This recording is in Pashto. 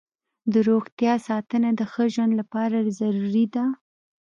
د روغتیا ساتنه د ښه ژوند لپاره ضروري ده.